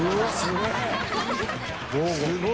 すごい！